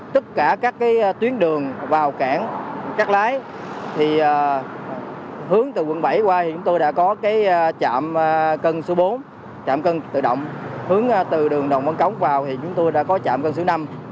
từ đường đồng văn cống vào thì chúng tôi đã có trạm cân số năm